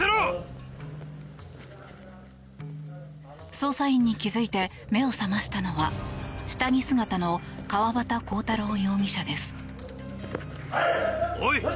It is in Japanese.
捜査員に気づいて目を覚ましたのは下着姿の川端浩太郎容疑者です。